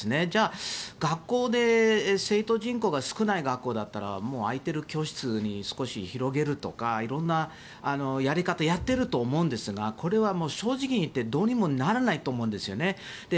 じゃあ、学校で生徒人口が少ない学校だったらもう空いている教室に少し広げるとか色んなやり方をやっていると思うんですがこれは正直に言ってどうにもならないと思うんですよね。